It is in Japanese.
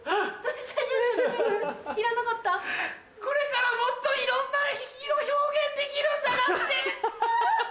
これからもっといろんな色表現できるんだなって。